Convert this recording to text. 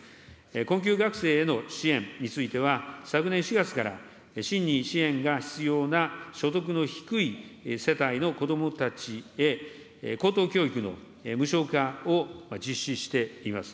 困窮学生への支援については、昨年４月から真に支援が必要な所得の低い世帯の子どもたちへ、高等教育の無償化を実施しています。